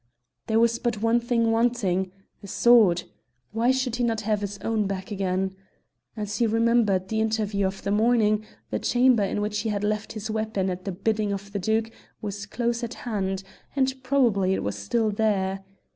There was but one thing wanting a sword! Why should he not have his own back again? As he remembered the interview of the morning, the chamber in which he had left his weapon at the bidding of the Duke was close at hand, and probably it was still there.